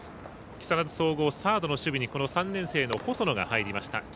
木更津総合サードの守備に３年生の細野が入りました。